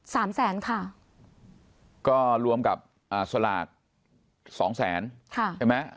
สามแสนค่ะก็รวมกับอ่าสลากสองแสนค่ะเห็นไหม